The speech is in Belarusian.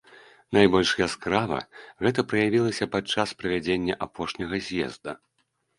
Найбольш яскрава гэта праявілася падчас правядзення апошняга з'езда.